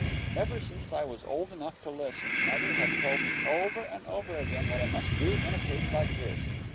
Ever since I was old enough to listen, mother had told me over and over again what I must do in a case like this.